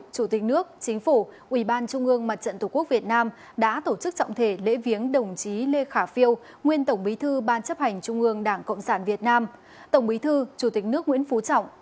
chủ tịch nước nguyễn phú trọng gửi vòng hoa viếng nguyên tổng bí thư lê khả phiêu